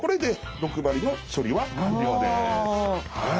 はい。